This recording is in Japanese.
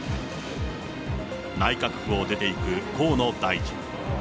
内閣府を出ていく河野大臣。